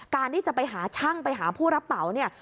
การที่จะไปหาช่างไปหาผู้รับเหมาเนี่ย